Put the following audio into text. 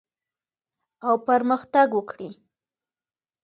او پرمختګ وکړي.